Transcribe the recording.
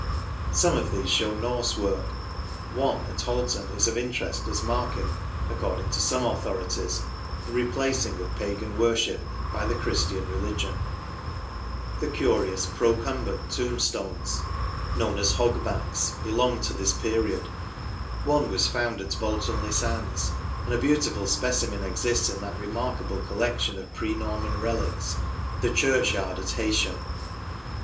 Some of these show Norse work. One at Halton is of interest as marking, according to some authorities, the replacing of pagan worship by the Christian religion. The curious procumbent tombstones >> J3 o u o w v o Si bfi o Si ANTIQUITIES 119 known as hogbacks belong to this period. One was found at Bolton le Sands, and a beautiful specimen exists in that remarkable collection of pre Norman relics — the church yard at Heysham.